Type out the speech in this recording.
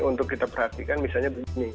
untuk kita perhatikan misalnya